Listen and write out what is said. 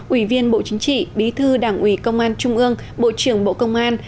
ủy viên bộ chính trị bí thư đảng ủy công an trung ương bộ trưởng bộ công an